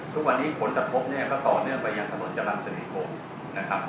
ทุกวันนี้ผลกระทบก็ต่อเนื่องไปยังสนุนจรรย์สนิษฐกร